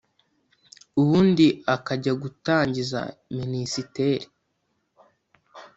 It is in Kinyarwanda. ubundi akajya gutangiza minisiteri